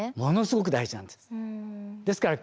ものすごく大事なんです。